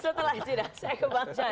setelah itu saya kebangsaan